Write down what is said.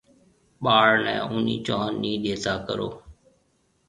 ٻاݪ نَي اونَي چونه نَي ڏيتا ڪرون۔